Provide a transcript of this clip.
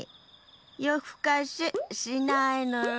よふかししないのよ！